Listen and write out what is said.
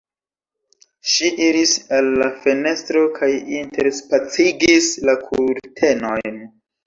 Ŝi iris al la fenestro kaj interspacigis la kurtenojn.